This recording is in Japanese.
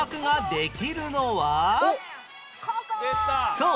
そう！